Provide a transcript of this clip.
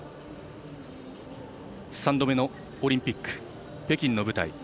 ３度目のオリンピック北京の舞台。